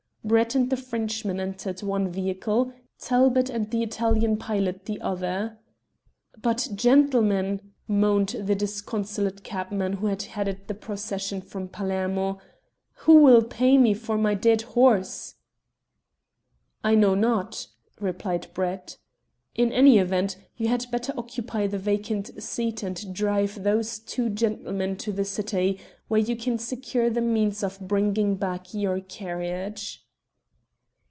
Brett and the Frenchman entered one vehicle, Talbot and the Italian pilot the other. "But, gentlemen," moaned the disconsolate cabman who had headed the procession from Palermo, "who will pay me for my dead horse?" "I know not," replied Brett. "In any event you had better occupy the vacant seat and drive those two gentlemen to the city, where you can secure the means of bringing back your carriage."